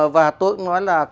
và tôi nói là